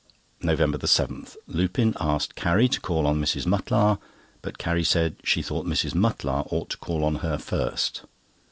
NOVEMBER 7.—Lupin asked Carrie to call on Mrs. Mutlar, but Carrie said she thought Mrs. Mutlar ought to call on her first.